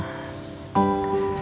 ya aku nantuin